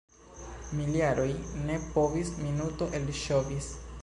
Miljaroj ne povis, — minuto elŝovis.